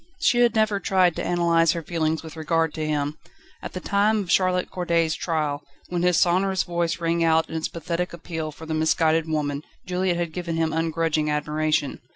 She had never tried to analyse her feelings with regard to him. At the time of Charlotte Corday's trial, when his sonorous voice rang out in its pathetic appeal for the misguided woman, Juliette had given him ungrudging admiration.